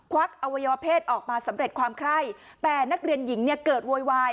วักอวัยวะเพศออกมาสำเร็จความไคร้แต่นักเรียนหญิงเนี่ยเกิดโวยวาย